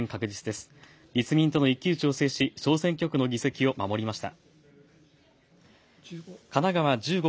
立民との一騎打ちを制し小選挙区の議席を守りました。